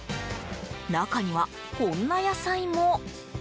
中には、こんな野菜も。